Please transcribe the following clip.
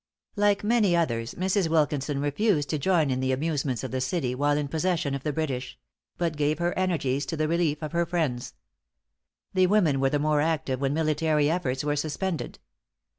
Like many others, Mrs. Wilkinson refused to join in the amusements of the city while in possession of the British; but gave her energies to the relief of her friends. The women were the more active when military efforts were suspended.